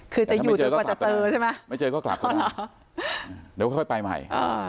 คือจะอยู่จนกว่าจะเจอใช่ไหมไม่เจอก็กลับเข้ามาเดี๋ยวค่อยไปใหม่อ่า